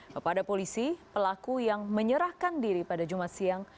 kepada polisi pelaku yang menyerahkan diri pada jumat siang